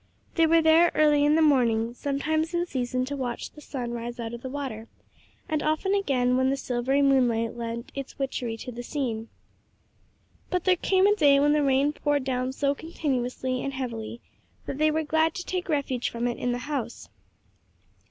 They were there early in the morning, sometimes in season to watch the sun rise out of the water; and often again when the silvery moonlight lent its witchery to the scene. But there came a day when the rain poured down so continuously and heavily that they were glad to take refuge from it in the house.